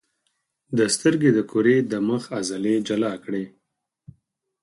د سترګې د کرې د مخ عضلې جلا کړئ.